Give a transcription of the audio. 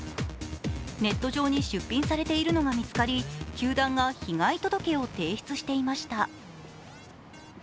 ネット上に出品されているのが見つかり、球団が被害届を提出していました。